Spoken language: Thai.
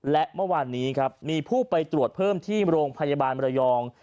และเมื่อวานนี้ครับมีผู้ไปตรวจเพิ่มที่โรงพยาบาลมรยอง